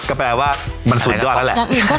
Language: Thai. ก็แปลว่ามันสุดยอดแล้วแหละ